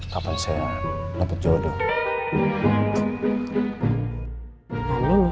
kapan saya lepet jodoh